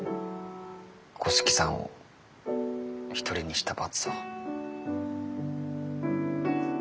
五色さんを一人にした罰を。